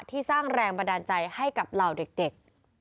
สร้างแรงบันดาลใจให้กับเหล่าเด็ก